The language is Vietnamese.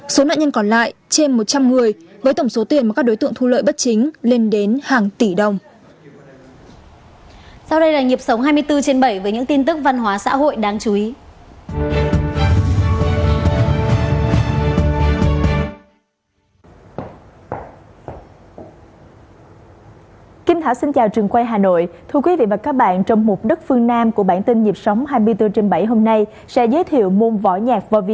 số nạn nhân còn lại trên một trăm linh người với tổng số tiền mà các đối tượng thu lợi bất chính lên đến hàng tỷ đồng